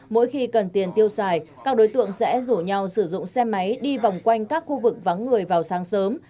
mỗi khi cần tiền tiêu xài các đối tượng sẽ rủ nhau sử dụng xe máy đi vòng quanh các khu vực vắng người vào sáng sớm